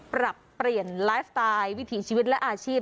ปรับเปลี่ยนไลฟ์สไตล์วิถีชีวิตและอาชีพ